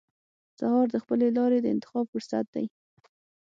سهار د خپلې لارې د انتخاب فرصت دی.